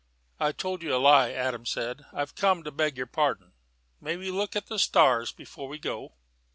"I told you a lie," Adam said. "I've come to beg your pardon. May we look at the stars before we go?"